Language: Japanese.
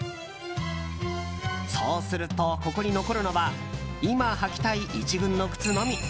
そうすると、ここに残るのは今履きたい１軍の靴のみ。